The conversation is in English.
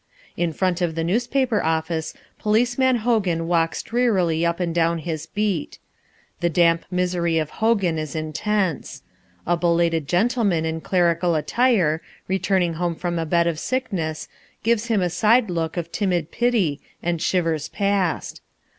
In front of the newspaper office Policeman Hogan walks drearily up and down his beat. The damp misery of Hogan is intense. A belated gentleman in clerical attire, returning home from a bed of sickness, gives him a side look of timid pity and shivers past.